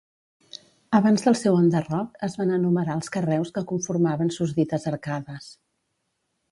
Abans del seu enderroc es van enumerar els carreus que conformaven susdites arcades.